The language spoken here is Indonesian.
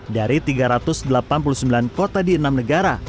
dari tiga ratus delapan puluh sembilan kota di enam negara